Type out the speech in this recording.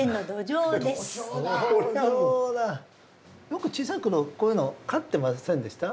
よく小さい頃こういうの飼ってませんでした？